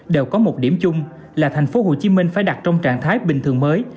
đều có một điểm chung là tp hcm phải đặt trong trạng thái bình thường mới